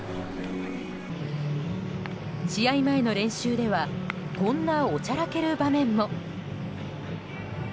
試合前の練習ではこんなおちゃらける場面も。